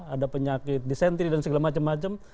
ada penyakit disentri dan segala macam macam